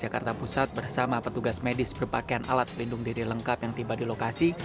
jakarta pusat bersama petugas medis berpakaian alat pelindung diri lengkap yang tiba di lokasi